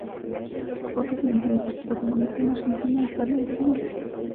Fue presidenta del Partido Comunista de la Argentina hasta el día de su muerte.